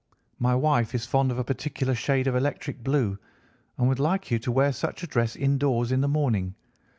My wife is fond of a particular shade of electric blue and would like you to wear such a dress indoors in the morning.